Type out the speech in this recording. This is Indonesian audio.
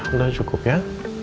udah cukup ya